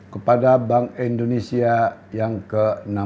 kepada bank indonesia yang ke enam belas